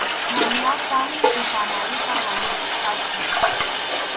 Chhaynatam Tupa Amaruta wañuchisqaku.